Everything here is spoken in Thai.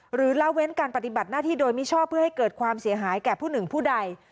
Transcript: ละเว้นการปฏิบัติหน้าที่โดยมิชอบเพื่อให้เกิดความเสียหายแก่ผู้หนึ่งผู้ใด